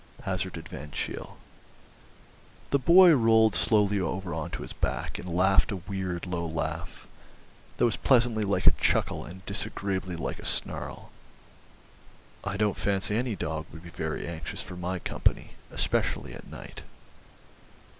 hazarded Van Cheele. The boy rolled slowly over on to his back, and laughed a weird low laugh, that was pleasantly like a chuckle and disagreeably like a snarl. "I don't fancy any dog would be very anxious for my company, especially at night."